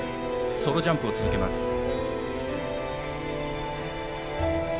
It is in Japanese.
ソロジャンプを続けます。